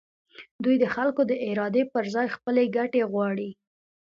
دوی د خلکو د ارادې پر ځای خپلې ګټې غواړي.